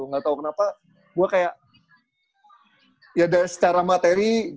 enggak tau kenapa gue kayak ya secara materi